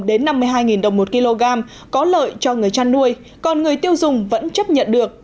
đến năm mươi hai đồng một kg có lợi cho người chăn nuôi còn người tiêu dùng vẫn chấp nhận được